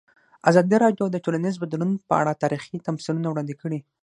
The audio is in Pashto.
ازادي راډیو د ټولنیز بدلون په اړه تاریخي تمثیلونه وړاندې کړي.